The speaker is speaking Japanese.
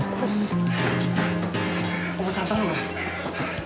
おばさん頼む！